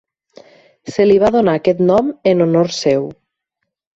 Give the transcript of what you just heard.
Se li va donar aquest nom en honor seu.